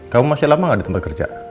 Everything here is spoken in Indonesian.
kamu masih lama nggak di tempat kerja